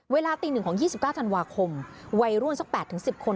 เวลาตีหนึ่งของ๒๙ธันวาคมวัยร่วมสัก๘๑๐คน